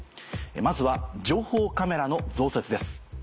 まずは情報カメラの増設です。